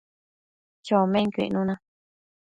chomenquio icnuna